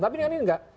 tapi ini aneh nggak